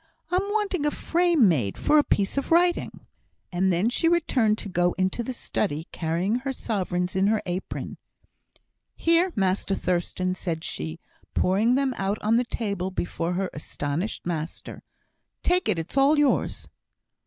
I'm wanting a frame made for a piece of writing." And then she returned to go into the study, carrying her sovereigns in her apron. "Here, Master Thurstan," said she, pouring them out on the table before her astonished master. "Take it, it's all yours."